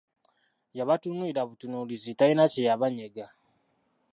Yabatunuulira butunuulizi talina kyeyabanyega.